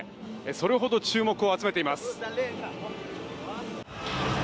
それほど注目を集めています。